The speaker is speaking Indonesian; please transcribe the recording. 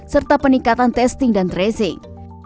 serta peningkatan testing dan tracing